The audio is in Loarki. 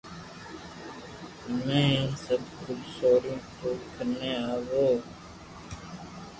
ھمي ھين سب ڪجھ سوڙين ٿو ڪني آوو